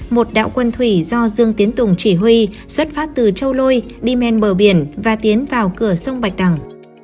một đạo quân thủy do dương tiến tùng chỉ huy xuất phát từ châu lôi đi men bờ biển và tiến vào cửa sông bạch đằng